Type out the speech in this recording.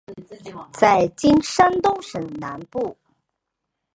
在今山东省南部。